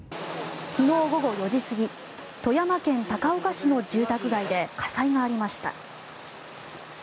昨日午後４時過ぎ富山県高岡市の住宅街で火災がありました。